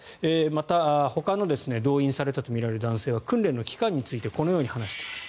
また、ほかの動員されたとみられる男性は訓練の期間についてこのように話しています。